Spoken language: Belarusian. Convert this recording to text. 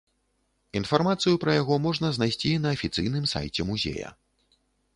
Інфармацыю пра яго можна знайсці на афіцыйным сайце музея.